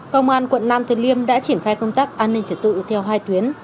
công an quận nam từ liêm đã triển khai công tác an ninh trật tự theo hai tuyến